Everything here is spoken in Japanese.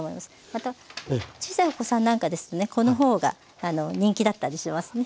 また小さいお子さんなんかですとねこの方が人気だったりしますね。